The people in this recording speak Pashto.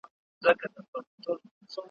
چي هر لوري ته یې واچول لاسونه `